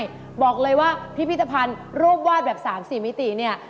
ใช่บอกเลยว่าพิพิธภัณฑ์รูปวาดแบบ๓๔มิติเนี่ย